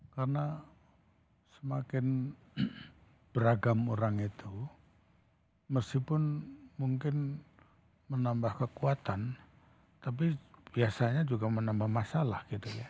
karena semakin beragam orang itu meskipun mungkin menambah kekuatan tapi biasanya juga menambah masalah gitu ya